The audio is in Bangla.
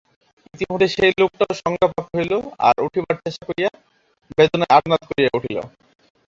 ইতিমধ্যে সেই লোকটাও সংজ্ঞাপ্রাপ্ত হইল, আর উঠিবার চেষ্টা করিয়া বেদনায় আর্তনাদ করিয়া উঠিল।